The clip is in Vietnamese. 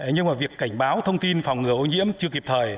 nhưng mà việc cảnh báo thông tin phòng ngừa ô nhiễm chưa kịp thời